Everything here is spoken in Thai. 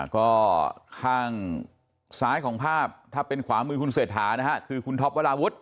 ก็ข้างซ้ายของภาพถ้าเป็นขวามือคุณเศรษฐานะฮะคือคุณท็อปวราวุฒิ